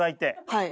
はい。